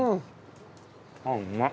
あっうまい。